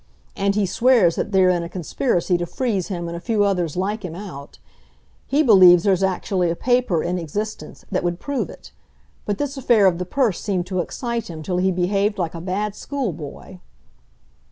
And he swears that they're in a conspiracy to freeze him and a few others like him out; he believes there's actually a paper in existence that would prove it. But this affair of the purse seemed to excite him till he behaved like a bad school boy.